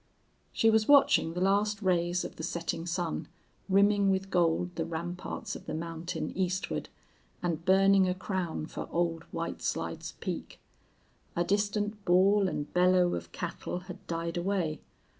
She was watching the last rays of the setting sun rimming with gold the ramparts of the mountain eastward, and burning a crown for Old White Slides peak. A distant bawl and bellow of cattle had died away.